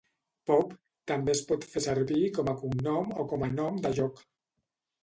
"Pope" també es pot fer servir com a cognom o com a nom de lloc.